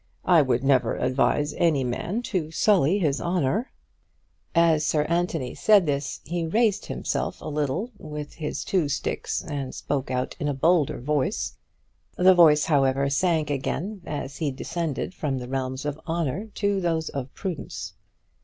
I would never advise any man to sully his honour." As Sir Anthony said this he raised himself a little with his two sticks and spoke out in a bolder voice. The voice however, sank again as he descended from the realms of honour to those of prudence.